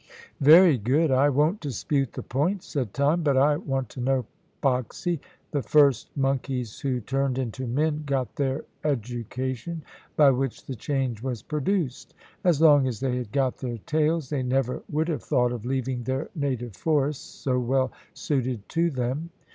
"Very good; I won't dispute the point," said Tom. "But I want to know boxy the first monkeys who turned into men got their education, by which the change was produced. As long as they had got their tails they never would have thought of leaving their native forests, so well suited to them."